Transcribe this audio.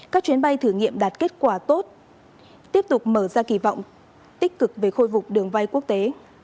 các chuyến bay thử nghiệm đạt kết quả tốt tiếp tục mở ra kỳ vọng tích cực về khôi phục đường bay quốc tế